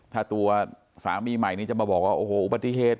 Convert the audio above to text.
ถ้าตัวสามีใหม่นี้จะมาบอกว่าโอ้โหอุบัติเหตุ